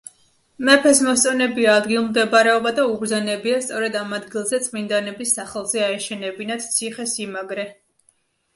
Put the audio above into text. მეფეს მოსწონებია ადგილმდებარეობა და უბრძანებია სწორედ ამ ადგილზე წმინდანების სახელზე აეშენებინათ ციხესიმაგრე.